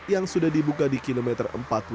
yang sudah dibuka di kilometer empat puluh lima